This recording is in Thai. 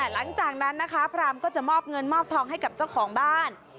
หลังจากนั้นนะคะพรามก็จะมอบเงินมอบทองให้กับเจ้าของบ้าน